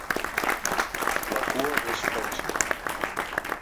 La cua és prènsil.